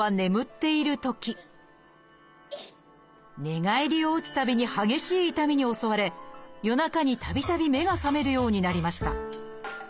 寝返りを打つたびに激しい痛みに襲われ夜中にたびたび目が覚めるようになりました。